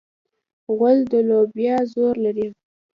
غول د لوبیا زور لري.